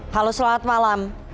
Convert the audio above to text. halo selamat malam